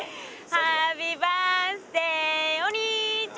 「ハッピーバースデーお兄ちゃん」